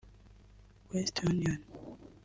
Western Union